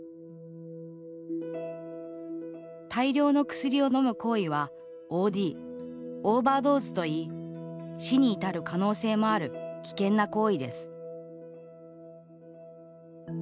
大量の薬をのむ行為はＯＤ＝オーバードーズといい死に至る可能性もある危険な行為です。